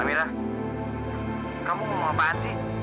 amira kamu mau ngapain sih